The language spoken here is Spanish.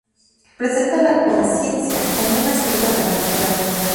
Representa la consciencia como un aspecto de la realidad.